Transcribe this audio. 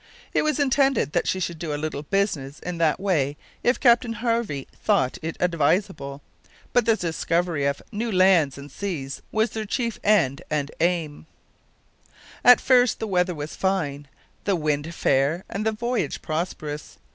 It was intended that she should do a little business in that way if Captain Harvey thought it advisable, but the discovery of new lands and seas was their chief end and aim. At first the weather was fine, the wind fair, and the voyage prosperous.